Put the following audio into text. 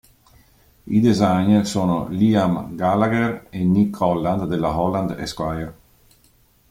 I designer sono Liam Gallagher e Nick Holland della Holland Esquire.